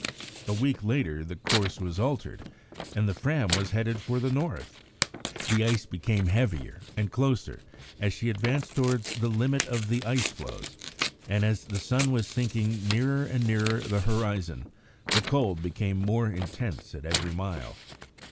A week later, the course was altered, and the Fram was headed for the North. The ice became heavier and closer as she advanced towards the limit of the ice floes, and as the sun was sinking nearer and nearer the horizon, the cold became more intense at every mile.